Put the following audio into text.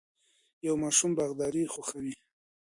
یو ماشوم باغداري خوښوي.